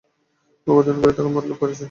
ও কতদিন ঘরে থাকার মতলব করেছে?